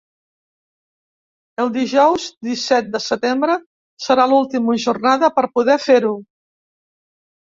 El dijous disset de setembre serà l’última jornada per poder fer-ho.